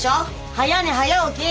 「早寝早起き」！